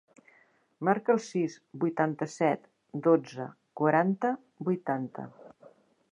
Marca el sis, vuitanta-set, dotze, quaranta, vuitanta.